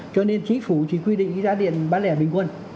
cho nên chính phủ chỉ quy định giá điện bán lẻ bình quân